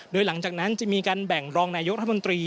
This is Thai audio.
โดยหลังจากนั้นจะมีการแบ่งรองนายกรัฐมนตรี